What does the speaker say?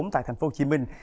tại thành phố hồ chí minh